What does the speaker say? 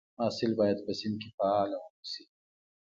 محصل باید په صنف کې فعال واوسي.